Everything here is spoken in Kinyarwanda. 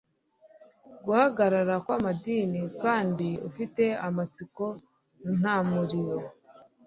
Guhagarara kw'amadini kandi ufite amatsiko nta muriro